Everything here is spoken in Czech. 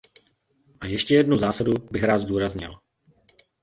A ještě jednu zásadu bych rád zdůraznil.